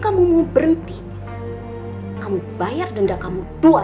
kalau memang kamu mau berhenti kamu bayar dendam kamu dua ratus juta